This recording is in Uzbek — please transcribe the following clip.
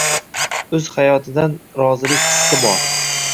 Oʻz hayotidan rozilik hissi bor